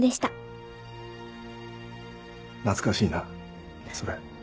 懐かしいなそれ。